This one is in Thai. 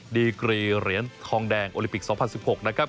ดีกรีเหรียญทองแดงโอลิปิก๒๐๑๖นะครับ